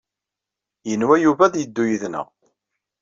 Yenwa Yuba ad d-yeddu yid-nneɣ.